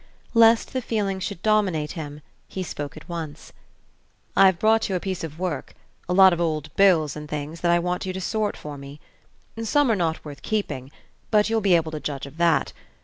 Lest the feeling should dominate him, he spoke at once. "I've brought you a piece of work a lot of old bills and things that I want you to sort for me. Some are not worth keeping but you'll be able to judge of that.